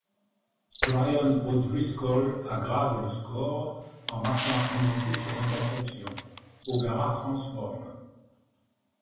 Brian O'Driscoll aggrave le score en marquant un essai sur interception, O'Gara transforme.